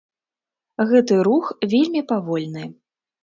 Гэты рух вельмі павольны.